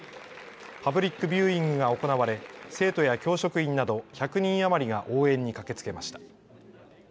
パブリックビューイングが行われ生徒や教職員など１００人余りが応援に駆けつけました。